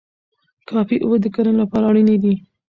کافي اوبه د کرنې لپاره اړینې دي.